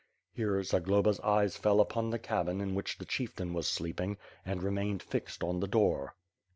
Here, Zag loba's eyes fell upon the cabin in which the chieftain was sleeping, and remained fixed on the door.